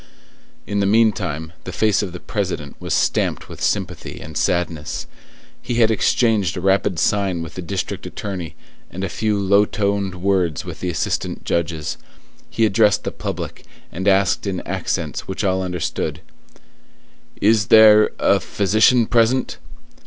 In the meantime, the face of the President was stamped with sympathy and sadness; he had exchanged a rapid sign with the district attorney and a few low toned words with the assistant judges; he addressed the public, and asked in accents which all understood:— "Is there a physician present?"